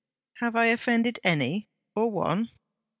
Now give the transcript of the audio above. Have I offended any, or one?'